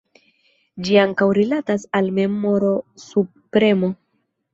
Ĝi ankaŭ rilatas al memoro subpremo.